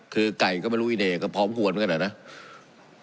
คือไก่ก็ไม่รู้อีเน่ก็พอมหัวเหมือนกันแหละนะ